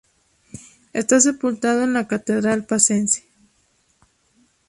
Está sepultado en la catedral pacense.